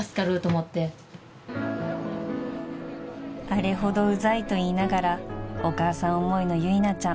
［あれほどウザいと言いながらお母さん思いの由奈ちゃん］